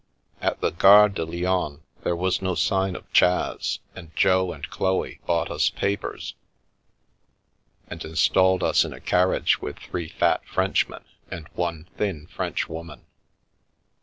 At the Gare de Lyons there was no sign of Chas, and Jo and Chloe bought us papers and installed us in a carriage with three fat Frenchmen and one thin Frenchwoman.